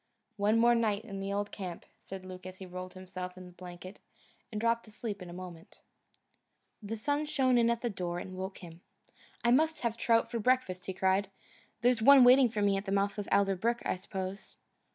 "One more night in the old camp," said Luke as he rolled himself in the blanket and dropped asleep in a moment. The sun shone in at the door and woke him. "I must have a trout for breakfast," he cried, "there's one waiting for me at the mouth of Alder Brook, I suppose."